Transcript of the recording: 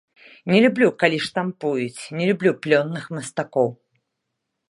Не люблю, калі штампуюць, не люблю плённых мастакоў.